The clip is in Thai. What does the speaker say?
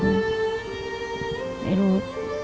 ไม่รู้ไม่รู้